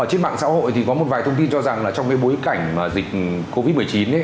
trên mạng xã hội thì có một vài thông tin cho rằng là trong cái bối cảnh mà dịch covid một mươi chín